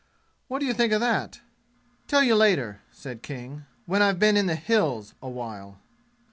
What d'you think of that?" "Tell you later," said King, "when I've been in the 'Hills' a while."